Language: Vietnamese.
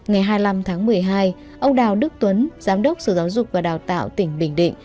ngày hai mươi năm tháng một mươi hai ông đào đức tuấn giám đốc sở giáo dục và đào tạo tỉnh bình định